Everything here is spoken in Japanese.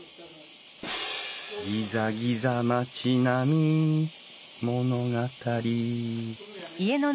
ギザギザ町並み物語！